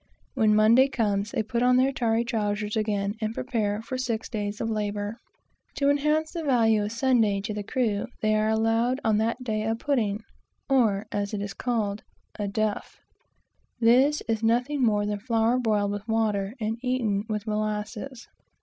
When Monday comes, they put on their tarry trowsers again, and prepare for six days of labor. To enhance the value of the Sabbath to the crew, they are allowed on that day a pudding, or, as it is called, a "duff." This is nothing more than flour boiled with water, and eaten with molasses.